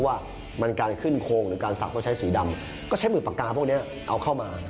ว่ามันการขึ้นโคนการสักมาใช้สีดำก็ใช้มึกปากกาปุ้งเนี้ยเอาเข้ามา